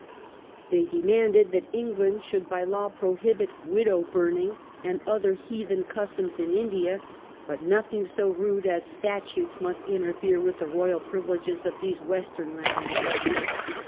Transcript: They Aeistoceact of the West. 227 demanded that England should by law prohibit wid ow burning and other heathen customs in India, but nothing so rude as statutes must interfere with the royal privileges of these Western landlords.